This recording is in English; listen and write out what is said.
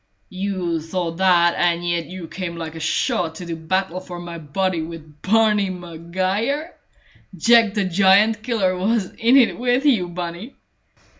"You thought that, and yet you came like a shot to do battle for my body with Barney Maguire! Jack the Giant killer wasn't in it with you, Bunny!"